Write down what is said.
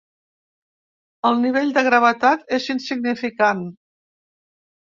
El nivell de gravetat és insignificant.